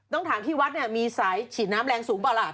ต้องถามที่วัดเนี่ยมีสายฉีดน้ำแรงสูงเปล่าล่ะ